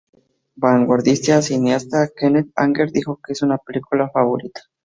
El vanguardista cineasta Kenneth Anger, dijo que es su película favorita.